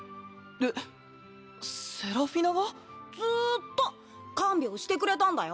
えっセラフィナが⁉ずっと看病してくれたんだよ。